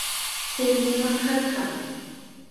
Kuynima karka.